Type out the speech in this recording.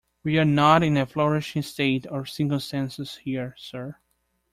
We are not in a flourishing state of circumstances here, sir.